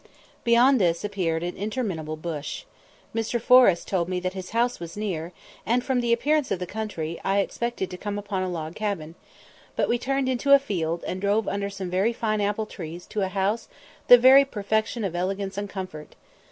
Beyond this appeared an interminable bush. Mr. Forrest told me that his house was near, and, from the appearance of the country, I expected to come upon a log cabin; but we turned into a field, and drove under some very fine apple trees to a house the very perfection of elegance and comfort.